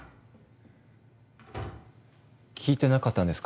聞いてなかったんですか？